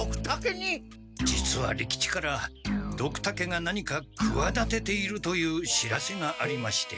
実は利吉からドクタケが何かくわだてているという知らせがありまして。